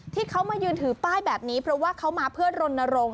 ที่เขามายืนถือป้ายแบบนี้เพราะว่าเขามาเพื่อรณรงค